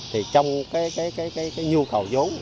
thì trong cái nhu cầu giống